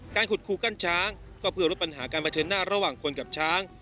ขุดคูกั้นช้างก็เพื่อลดปัญหาการเผชิญหน้าระหว่างคนกับช้าง